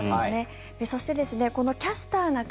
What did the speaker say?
そしてこの「キャスターな会」